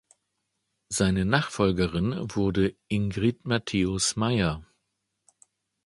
Seine Nachfolgerin wurde Ingrid Matthäus-Maier.